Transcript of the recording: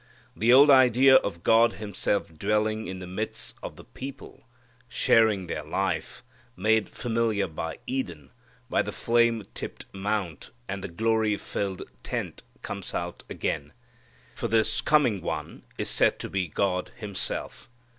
The old idea of God Himself dwelling in the midst of the people, sharing their life, made familiar by Eden, by the flame tipped mount and the glory filled tent, comes out again. For this coming One is said to be God Himself.